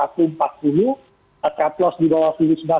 taklos di bawah seribu sembilan ratus delapan puluh